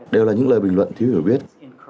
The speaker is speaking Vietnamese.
đều là những lời bình luận thiếu hiểu biết